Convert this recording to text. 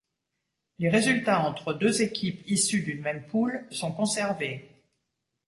Les résultats entre deux équipes issues d'une même poule sont conservées.